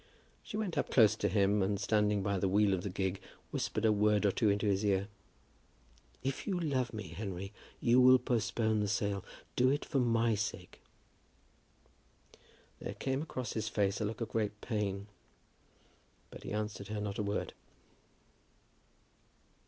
She went up close to him, and, standing by the wheel of the gig, whispered a word or two into his ear. "If you love me, Henry, you will postpone the sale. Do it for my sake." There came across his face a look of great pain, but he answered her not a word.